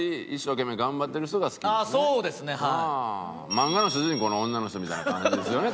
漫画の主人公の女の人みたいな感じですよね？